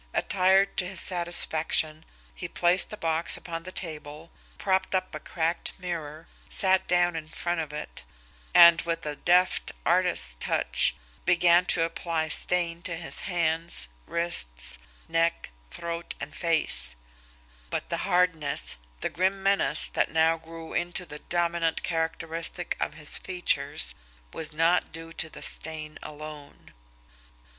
Attired to his satisfaction, he placed the box upon the table, propped up a cracked mirror, sat down in front of it, and, with a deft, artist's touch, began to apply stain to his hands, wrists, neck, throat, and face but the hardness, the grim menace that now grew into the dominant characteristic of his features was not due to the stain alone.